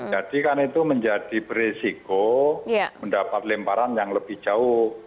jadi kan itu menjadi berisiko mendapat lemparan yang lebih jauh